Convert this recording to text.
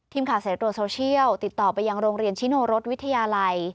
ทีมข่าวแสดงตัวโซเชียลติดต่อไปยังโรงเรียนชิโนรถวิทยาลัย